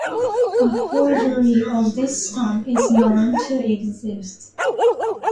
A forgery of this stamp is known to exist.